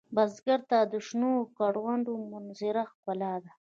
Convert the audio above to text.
بزګر ته د شنو کروندو منظره ښکلا ده